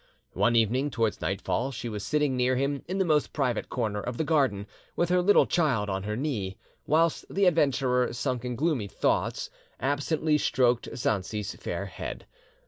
One evening, towards nightfall, she was sitting near him in the most private corner of the garden, with her little child on her knee, whilst the adventurer, sunk in gloomy thoughts, absently stroked Sanxi's fair head.